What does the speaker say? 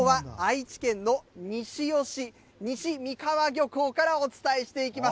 きょうは愛知県の西尾市西三河漁港からお伝えしていきます。